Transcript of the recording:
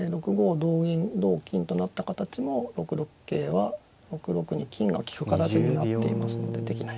同銀同金となった形も６六桂は６六に金が利く形になっていますのでできない。